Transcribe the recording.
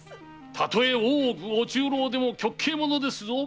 たとえ大奥御中臈でも極刑ものですぞ。